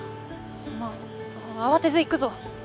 まあ慌てず行くぞ。